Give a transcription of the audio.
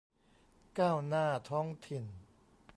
ก้าวหน้าท้องถิ่น